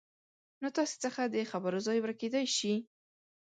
نو تاسې څخه د خبرو ځای ورکېدای شي